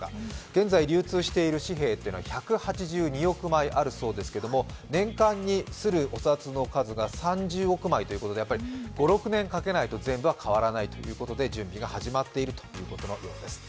現在流通している紙幣は１８２億枚あるんだそうですが、年間に刷るお札の数が３０億枚ということでやはり５６年かけないと全部は変わらないということで、準備が始まっているということのようです。